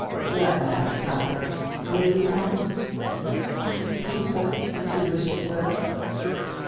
"What matters how late? Will you come?" "I suppose so, if you wish it, Will."